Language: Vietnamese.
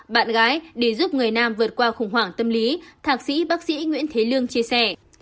bạn gái để giúp người nam vượt qua khủng hoảng tâm lý thạc sĩ bác sĩ nguyễn thế lương chia sẻ